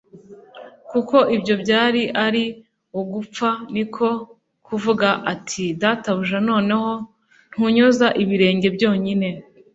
kuko ibyo byaba ari ugupfa. Niko kuvuga ati : "Databuja noneho ntunyoza ibirenge byonyine